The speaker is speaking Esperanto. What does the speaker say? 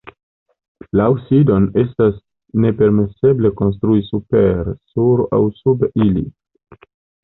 Laŭ Sidon estas nepermeseble konstrui super, sur aŭ sub ili.